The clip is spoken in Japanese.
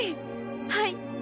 はい。